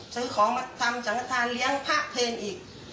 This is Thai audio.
ซื้อของมาทำจังหกษาเลี้ยงภาพเพลอีก